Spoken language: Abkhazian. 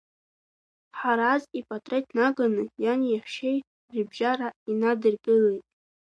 Ҳараз ипатреҭ наганы иани иаҳәшьеи рыбжьара инадыргылеит.